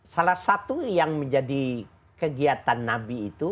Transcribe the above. salah satu yang menjadi kegiatan nabi itu